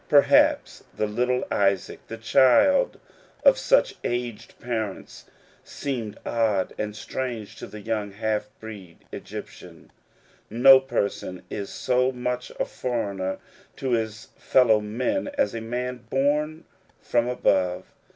Perhaps the little Isaac, the child of such aged parents, seemed odd and strange to the young half bred Egyptian, No person is so much a foreigner to his fellow men as a man born from above.